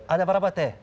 ada berapa t